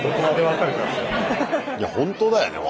いや本当だよね。